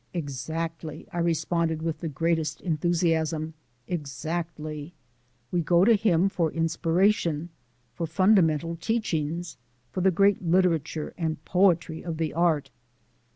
"Exactly!" I responded with the greatest enthusiasm; "exactly! We go to him for inspiration, for fundamental teachings, for the great literature and poetry of the art.